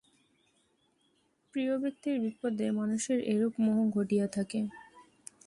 প্রিয়ব্যক্তির বিপদে মানুষের এরূপ মোহ ঘটিয়া থাকে।